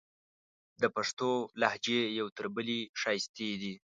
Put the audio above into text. د پښتو لهجې یو تر بلې ښایستې دي.